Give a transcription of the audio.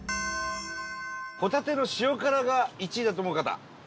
ほたての塩辛が１位だと思う方。